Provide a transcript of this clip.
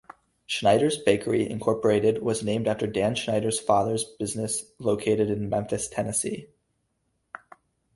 Schneider's Bakery, Incorporated was named after Dan Schneider's father's business located in Memphis, Tennessee.